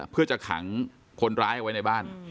เพื่อจะขังคนร้ายเอาไว้ในบ้าน